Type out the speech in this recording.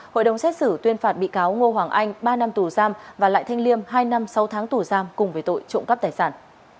hội đồng xét xử tuyên phạt bị cáo ngô hoàng anh ba năm tù giam và lại thanh liêm hai năm sáu tháng tù giam cùng với tội trộm cắp tài sản